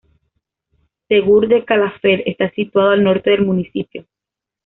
Segur de Calafell está situado al norte del municipio.